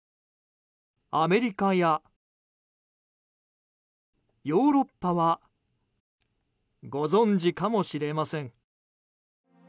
アメリカやヨーロッパはご存じかもしれません。